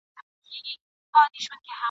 چي له قاصده مي لار ورکه تر جانانه نه ځي !.